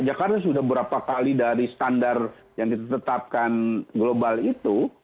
jakarta sudah berapa kali dari standar yang ditetapkan global itu